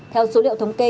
theo số liệu thống kê